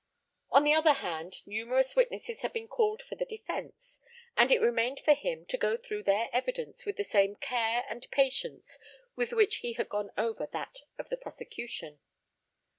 On the other hand, numerous witnesses had been called for the defence, and it remained for him to go through their evidence with the same care and patience with which he had gone over that of the prosecution.